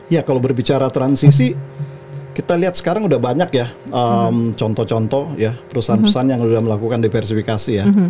ya kalau berbicara transisi kita lihat sekarang udah banyak ya contoh contoh perusahaan perusahaan yang sudah melakukan diversifikasi